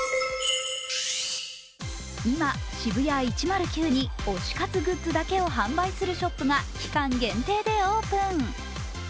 今、ＳＨＩＢＵＹＡ１０９に推し活グッズだけを販売するショップが期間限定でオープン。